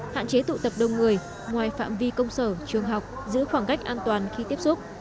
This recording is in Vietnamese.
hạn chế tụ tập đông người ngoài phạm vi công sở trường học giữ khoảng cách an toàn khi tiếp xúc